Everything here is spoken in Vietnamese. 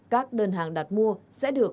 các đơn hàng đặt mua sẽ được